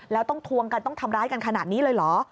แล้วต้องทวงกันต้องทำร้ายกันขนาดนี้เลยเหรอ